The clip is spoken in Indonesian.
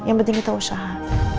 yang penting kita berusaha